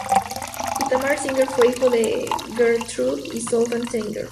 Itamar Singer fue hijo de Gertrude y Zoltán Singer.